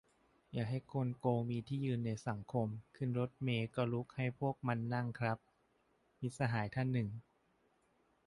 "อย่าให้คนโกงมีที่ยืนในสังคม ขึ้นรถเมล์ก็ลุกให้พวกมันนั่งคับ" - มิตรสหายท่านหนึ่ง